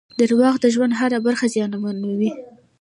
• دروغ د ژوند هره برخه زیانمنوي.